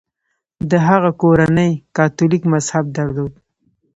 د هغه کورنۍ کاتولیک مذهب درلود.